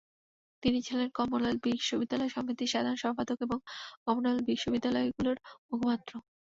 তিনি ছিলেন কমনওয়েলথ বিশ্ববিদ্যালয় সমিতির সাধারণ সম্পাদক এবং কমনওয়েলথ বিশ্ববিদ্যালয়গুলোর মুখপাত্র।